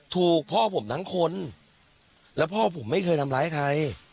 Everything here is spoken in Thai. ถูกพ่อผมทั้งคนแล้วพ่อผมไม่เคยทำร้ายใคร